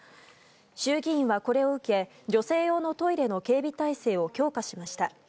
衆議院はこれを受け女性用のトイレの警備体制を強化しました。